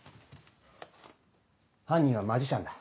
犯人はマジシャンだ。